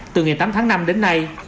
từ ngày tám tháng năm đến nay